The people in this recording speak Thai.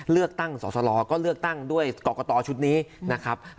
เลือกตั้งสอสลก็เลือกตั้งด้วยกรกตชุดนี้นะครับ